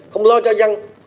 không lo cho răng